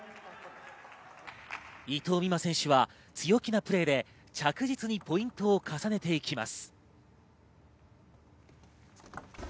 伊藤美誠選手は強気なプレーで着実にポイントを重ねていきます。